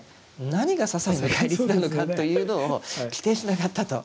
何がささいな戒律なのかというのを規定しなかったと。